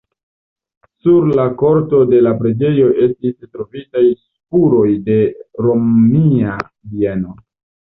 Sur la korto de la preĝejo estis trovitaj spuroj de romia bieno.